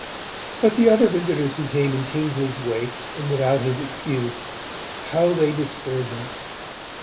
But the other visitors who came in Kingsley's wake and without his excuse how they disturbed us!